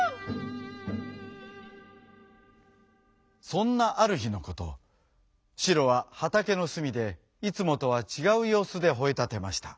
そんなあるひのことシロははたけのすみでいつもとはちがうようすでほえたてました。